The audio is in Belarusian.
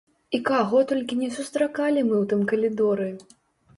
І каго толькі не сустракалі мы ў тым калідоры!